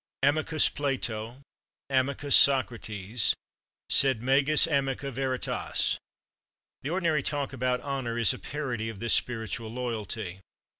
Amicus Plato, amicus Socrates, sed magis amica veritas. The ordinary talk about honor is a parody of this spiritual loyalty.